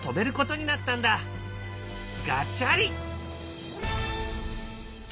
ガチャリ。